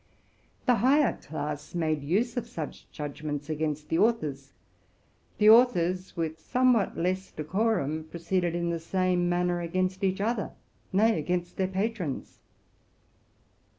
The higher class made use of such judgments against the authors: the authors, with somewhat less decorum, proceeded in the same manner against each other, — nay, against their patrons.